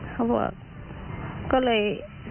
เขาบอกก็เลย